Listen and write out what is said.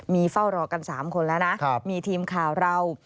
มีเฝ้ารอกัน๓คนแล้วนะมีทีมข่าวเรา